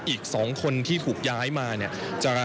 อีกสองคนที่ถูกย้ายมา